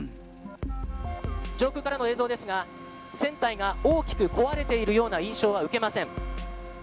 上空からの映像ですが船体が大きく壊れているような印象は受けません。